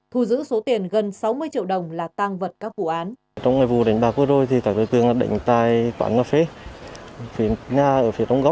thu giữ số tiền gần sáu mươi triệu đồng là tang vật các vụ án